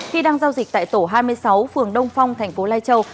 khi đang giao dịch tại tổ hai mươi sáu phường đông phong thành phố lai châu